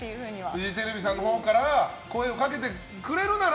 フジテレビさんのほうから声をかけてくれるなら？